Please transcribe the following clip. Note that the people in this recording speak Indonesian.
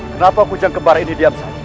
kenapa kujang kembar ini diam saja